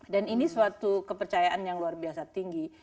dan ini suatu kepercayaan yang luar biasa tinggi